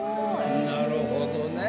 なるほどね。